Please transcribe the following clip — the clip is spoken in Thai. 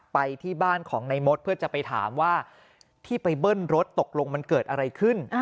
ไปที่บ้านของในมดเพื่อจะไปถามว่าที่ไปเบิ้ลรถตกลงมันเกิดอะไรขึ้น